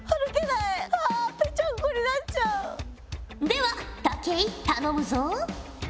では武井頼むぞ。